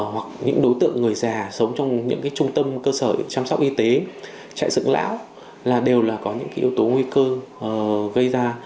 hoặc những đối tượng người già sống trong những trung tâm cơ sở chăm sóc y tế chạy dựng lão đều có những yếu tố nguy cơ gây ra